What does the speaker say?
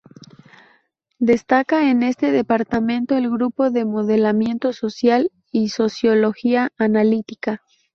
Destaca en este departamento el Grupo de Modelamiento Social y Sociología Analítica.